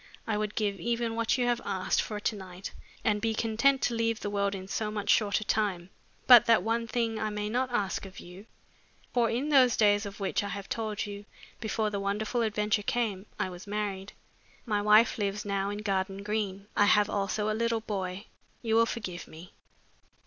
I would give even what you have asked for to night and be content to leave the world in so much shorter time. But that one thing I may not ask of you, for in those days of which I have told you, before the wonderful adventure came, I was married. My wife lives now in Garden Green. I have also a little boy. You will forgive me."